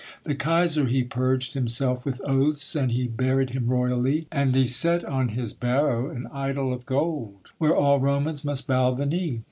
The Kaiser he purged himself with oaths, And he buried him royally, And he set on his barrow an idol of gold, Where all Romans must bow the knee.